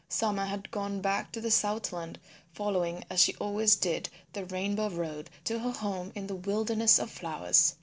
Summer had gone back to the Southland following as she always did the Rainbow Road to her home in the Wilderness of Flowers.